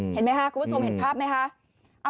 เห็นไหมคะคุณผู้ชมเห็นภาพไหมคะ